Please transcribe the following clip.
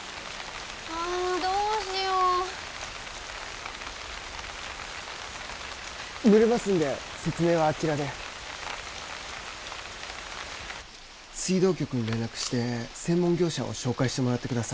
あどうしよう濡れますんで説明はあちらで水道局に連絡して専門業者を紹介してもらってください